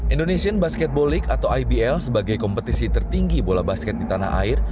indonesian basketball league atau ibl sebagai kompetisi tertinggi bola basket di tanah air